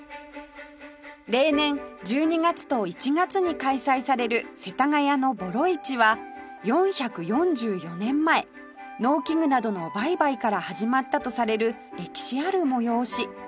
例年１２月と１月に開催される世田谷のボロ市は４４４年前農機具などの売買から始まったとされる歴史ある催し